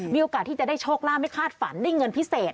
มีโอกาสที่จะได้โชคลาภไม่คาดฝันได้เงินพิเศษ